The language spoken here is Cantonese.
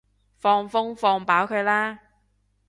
放風放飽佢啦